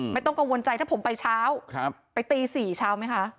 ไม่ต้องกังวลใจถ้าผมไปเช้าไปตี๔เช้าไหมคะ